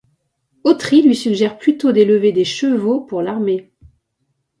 Autry lui suggère plutôt d'élever des chevaux pour l'armée.